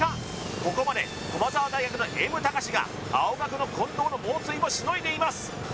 ここまで駒澤大学のＭ高史が青学の近藤の猛追をしのいでいます